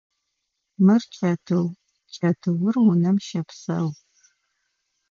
Мыр чэтыу, чэтыур унэм щэпсэу.